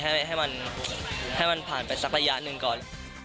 ให้มันให้มันผ่านไปสักระยะหนึ่งก่อน